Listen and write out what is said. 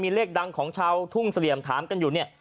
มีเลขดังของชาวทุ่งเสรียมถามกันอยู่